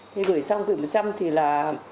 thì gửi xong gửi một trăm linh thì là